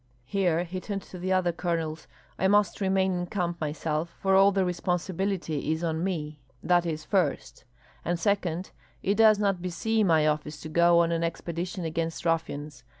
Here he turned to the other colonels: "I must remain in camp myself, for all the responsibility is on me, that is, first; and second, it does not beseem my office to go on an expedition against ruffians.